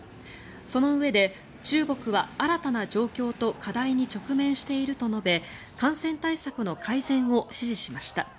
そのうえで、中国は新たな状況と課題に直面していると述べ感染対策の改善を指示しました。